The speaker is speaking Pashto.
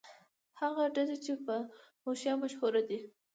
هغه ډلې چې په حشویه مشهورې دي.